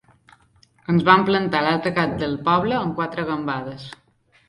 Ens vam plantar a l'altre cap del poble amb quatre gambades.